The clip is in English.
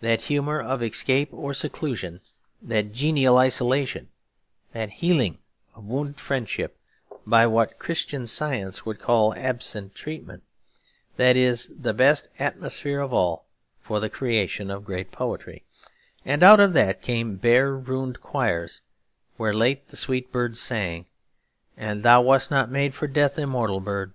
That humour of escape or seclusion, that genial isolation, that healing of wounded friendship by what Christian Science would call absent treatment, that is the best atmosphere of all for the creation of great poetry; and out of that came 'bare ruined choirs where late the sweet birds sang' and 'Thou wast not made for death, immortal bird.'